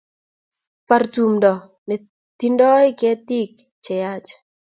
Bar tumto netindoi tikitik Che yach